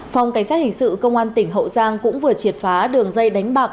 phòng cảnh sát hình sự công an tỉnh hậu giang cũng vừa triệt phá đường dây đánh bạc